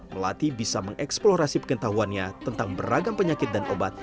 melati bisa mengeksplorasi pengetahuannya tentang beragam penyakit dan obat